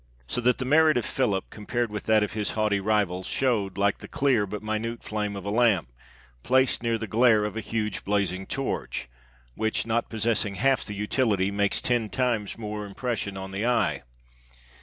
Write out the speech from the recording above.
So that the merit of Philip, compared with that of his haughty rival, showed like the clear but minute flame of a lamp, placed near the glare of a huge blazing torch, which, not possessing half the utility, makes ten times more impression on the eye.